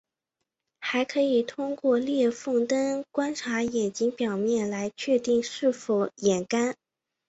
还可以通过裂缝灯观察眼睛表面来确认是否眼干。